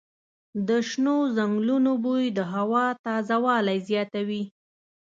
د شنو ځنګلونو بوی د هوا تازه والی زیاتوي.